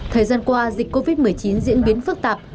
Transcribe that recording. thời gian qua dịch covid một mươi chín diễn biến phức tạp